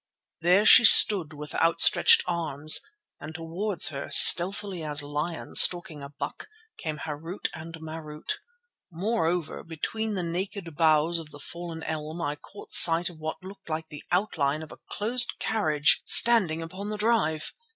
There she stood with outstretched arms, and towards her, stealthily as lions stalking a buck, came Harût and Marût. Moreover, between the naked boughs of the fallen elm I caught sight of what looked like the outline of a closed carriage standing upon the drive.